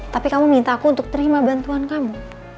tapi kamu minta aku untuk terima bantuan kamu